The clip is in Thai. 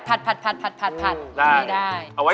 เอาไว้ตัดข้าวต้นอย่างนี้เลย